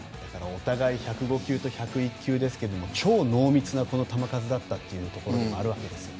お互い、１０５球と１０５球ですから超濃密な球数だったというところもあるわけですね。